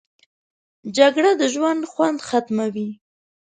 جګړه د ژوند خوند ختموي